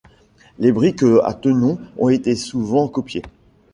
Les briques à tenons ont été souvent copiées.